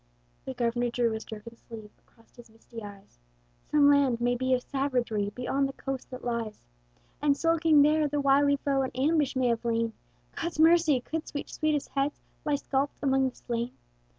The Governor drew his jerkin sleeve Across his misty eyes; "Some land, maybe, of savagery Beyond the coast that lies; "And skulking there the wily foe In ambush may have lain: God's mercy! Could such sweetest heads Lie scalped among the slain?